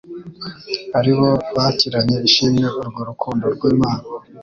ari bo bakiranye ishimwe urwo rukundo rw'Imana.